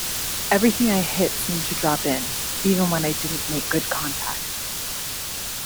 Everything I hit seemed to drop in, even when I didn't make good contact.